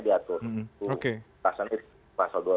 itu pasal dua ratus enam puluh sembilan